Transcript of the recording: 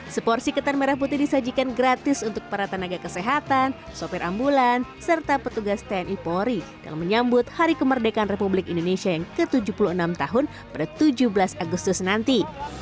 seporsi ketan merah putih disajikan gratis untuk para tenaga kesehatan sopir ambulan serta petugas tni polri dalam menyambut hari kemerdekaan republik indonesia yang ke tujuh puluh enam tahun pada tujuh belas agustus nanti